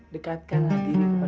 dekatkan aja kan